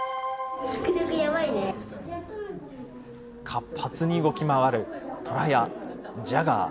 活発に動き回るトラやジャガー。